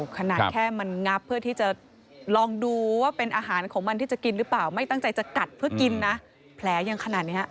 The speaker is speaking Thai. ขนาดแค่มันงับเพื่อที่จะลองดูว่าเป็นอาหารของมันที่จะกินหรือเปล่าไม่ตั้งใจจะกัดเพื่อกินนะแผลยังขนาดนี้